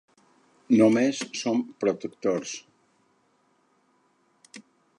Només som protectors.